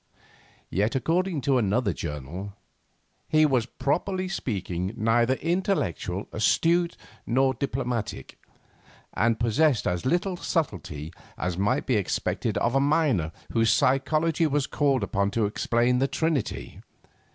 Yet, according to another journal, 'he was, properly speaking, neither intellectual, astute, nor diplomatic, and possessed as little subtlety as might be expected of a miner whose psychology was called upon to explain the Trinity.